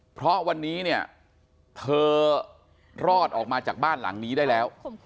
เพราะวันนี้เนี่ยเธอรอดออกมาจากบ้านหลังนี้ได้แล้ว